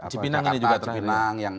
yang di jakarta atau pinang